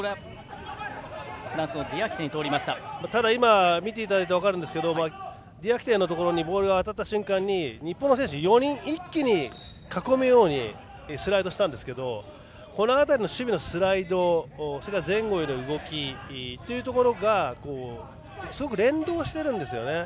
ただ、見ていただいたら分かるんですがディアキテのところにボールが渡った瞬間日本の選手４人一気に囲むようにスライドしたんですけどこの辺りの守備のスライドそれから前後の動きがすごく連動しているんですよね。